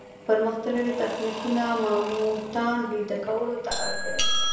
پرمختللي تخنیکونه ماموتان ویده کولو ته اړ کړل.